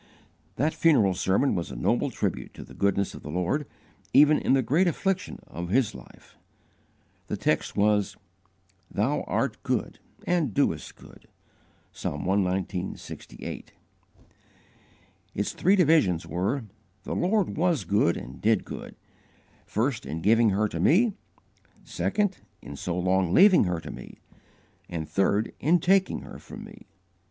That funeral sermon was a noble tribute to the goodness of the Lord even in the great affliction of his life. The text was: "Thou art good and doest good." (Psalm cxix. 68.) Its three divisions were: "The Lord was good and did good: first, in giving her to me; second in so long leaving her to me; and third, in taking her from me."